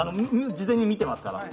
事前に見てますから。